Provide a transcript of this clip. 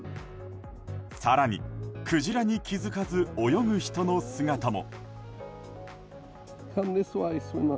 更に、クジラに気づかず泳ぐ人の姿も。